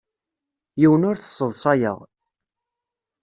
Yiwen ur t-sseḍsayeɣ.